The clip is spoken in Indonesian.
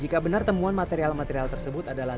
jika benar temuan material material tersebut adalah